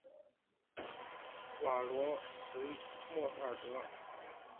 瓦罗什弗尔德。